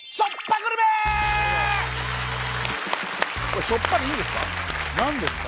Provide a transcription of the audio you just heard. これ「しょっぱ」でいいんですか？